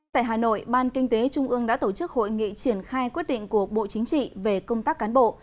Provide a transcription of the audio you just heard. tại hà nội ban kinh tế trung ương đã tổ chức hội nghị triển khai quyết định của bộ chính trị về công tác cán bộ